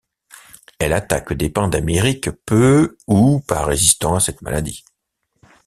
Elle attaque des pins d'Amérique peu ou pas résistants à cette maladie.